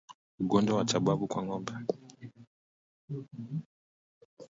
Ugonjwa wa chambavu kwa ngombe